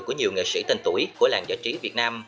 của nhiều nghệ sĩ tên tuổi của làng giải trí việt nam